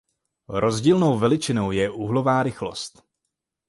Rozdílnou veličinou je úhlová rychlost.